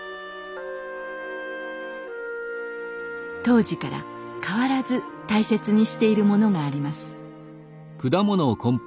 当時から変わらず大切にしているものがあります。